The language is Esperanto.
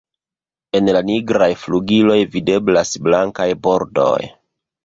En la nigraj flugiloj videblas blankaj bordoj.